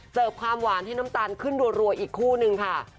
ความหวานให้น้ำตาลขึ้นรัวอีกคู่นึงค่ะ